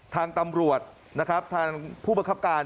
ทางตำรวจนะครับทางผู้บังคับการ